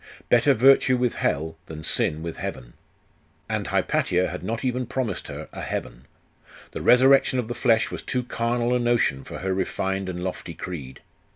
Better virtue with hell, than sin with heaven! And Hypatia had not even promised her a heaven. The resurrection of the flesh was too carnal a notion for her refined and lofty creed.